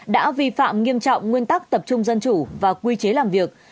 đã vi phạm nghiêm trọng nguyên tắc tập trung dân chủ và quy chế làm việc